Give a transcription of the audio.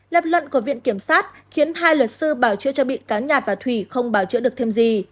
lập luận của viện kiểm sát khiến hai luật sư bảo chữa cho bị cáo nhạt và thủy không bảo chữa được thêm gì